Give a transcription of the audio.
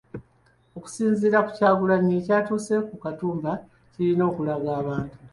Okusinziira ku Kyagulanyi ekyatuuse ku Katumba kirina okulaga abantu .